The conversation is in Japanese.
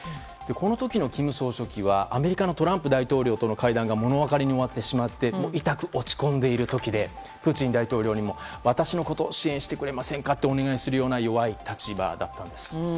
この時の金総書記はアメリカのトランプ大統領との会談が物別れに終わってしまっていたく落ち込んでいる時でプーチン大統領にも私のことを支援してくれませんかとお願いするような弱い立場だったんです。